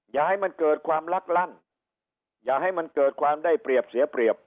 อย่าให้มันเกิดความลักลั่นอย่าให้มันเกิดความได้เปรียบเสียเปรียบ